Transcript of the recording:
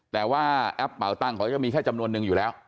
แต่ว่าแอปเป่าตังค์เขาจะมีแค่จำนวนนึงอยู่แล้ว